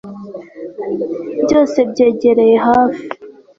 byose byegereye hafi